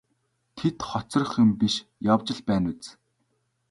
Тэд хоцрох юм биш явж л байна биз.